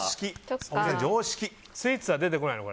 スイーツは出てこないの？